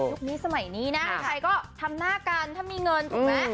ยุคนี้สมัยนี้นะใครก็ทำหน้ากันถ้ามีเงิน